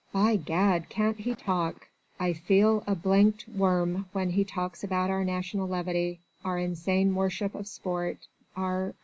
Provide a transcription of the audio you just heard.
"By Gad! can't he talk? I feel a d d worm when he talks about our national levity, our insane worship of sport, our